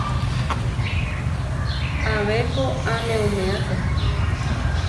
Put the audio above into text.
Abé ko a ne umea ko.